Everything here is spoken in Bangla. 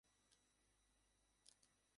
ওই তো বাড়িটা।